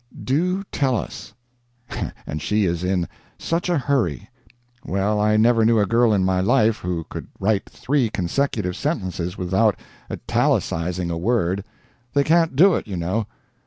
"Do tell us"—and she is in "such a hurry." Well, I never knew a girl in my life who could write three consecutive sentences without italicising a word. They can't do it, you know.